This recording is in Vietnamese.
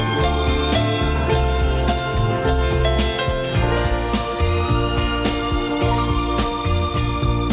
gió đông bắc